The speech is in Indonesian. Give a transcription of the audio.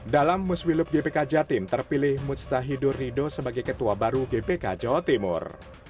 dalam muswiluk gpk jatim terpilih mustahidur rido sebagai ketua baru gpk jawa timur